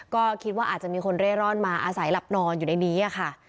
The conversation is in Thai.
ก็คิดว่าอาจจะมีคนเร่ร่อนมาอาศัยหลับนอนอยู่ในนี้ค่ะ